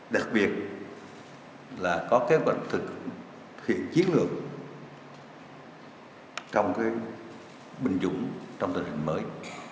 đặc biệt là có kế hoạch thực hiện chiến lược trong cái binh chủng trong tình hình mới